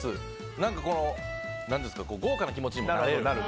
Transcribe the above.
何かこう、豪華な気持ちになれる。